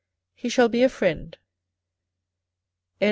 He shall be a friend."